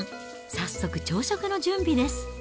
早速、朝食の準備です。